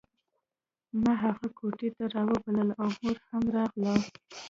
ما هغه کوټې ته راوبلله او مور هم ورغله